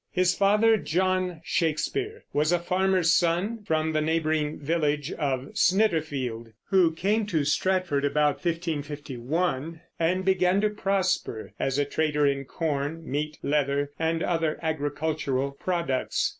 His father, John Shakespeare, was a farmer's son from the neighboring village of Snitterfield, who came to Stratford about 1551, and began to prosper as a trader in corn, meat, leather, and other agricultural products.